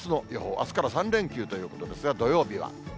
あすから３連休ということですが、土曜日は。